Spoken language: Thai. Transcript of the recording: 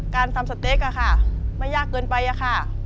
การทำสเต๊กอะค่ะไม่ยากเกินไปอะค่ะ